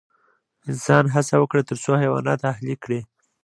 انسان هڅه وکړه تر څو حیوانات اهلي کړي.